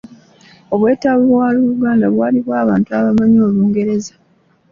Obwetaavu bwa Uganda bwali bwa bantu abamanyi Olungereza.